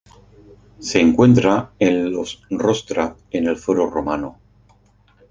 Se encuentra en los Rostra en el Foro Romano.